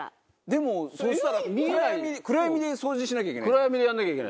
でもそしたら暗闇で掃除しなきゃいけない。